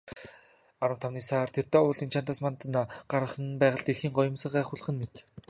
Арван тавны сар тэртээ уулын чанадаас мандан гарах нь байгаль дэлхий гоёмсгоо гайхуулах мэт.